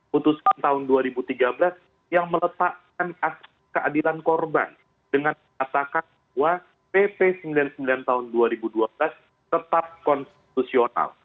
putusan tahun dua ribu tiga belas yang meletakkan keadilan korban dengan mengatakan bahwa pp sembilan puluh sembilan tahun dua ribu dua belas tetap konstitusional